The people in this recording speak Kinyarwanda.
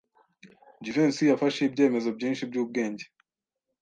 Jivency yafashe ibyemezo byinshi byubwenge.